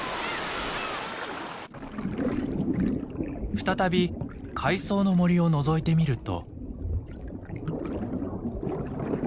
再び海藻の森をのぞいてみると。